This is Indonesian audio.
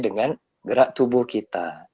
dengan gerak tubuh kita